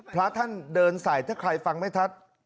พระท่านเดินทรัยถ้าใครฟังไม่ทัศน์